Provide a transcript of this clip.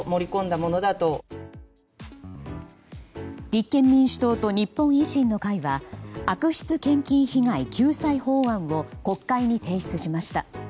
立憲民主党と日本維新の会は悪質献金被害救済法案を国会に提出しました。